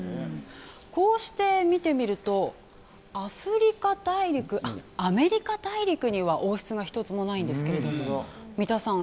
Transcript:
こうして見てみるとアメリカ大陸には王室が１つもないんですが三田さん